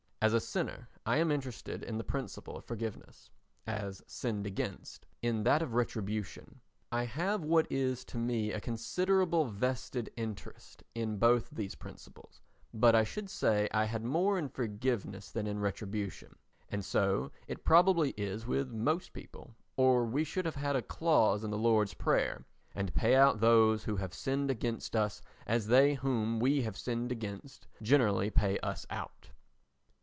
As a sinner I am interested in the principle of forgiveness; as sinned against, in that of retribution. I have what is to me a considerable vested interest in both these principles, but I should say I had more in forgiveness than in retribution. And so it probably is with most people or we should have had a clause in the Lord's prayer: "And pay out those who have sinned against us as they whom we have sinned against generally pay us out."